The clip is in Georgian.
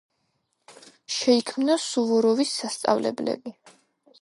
შეიქმნა სუვოროვის სასწავლებლები.